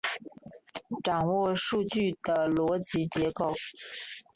掌握数据的逻辑结构